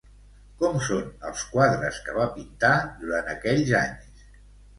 Com són els quadres que va pintar durant aquells anys?